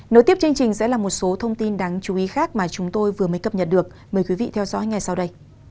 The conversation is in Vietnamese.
nối tiếp chương trình sẽ là một số thông tin đáng chú ý khác mà chúng tôi vừa mới cập nhật được mời quý vị theo dõi ngay sau đây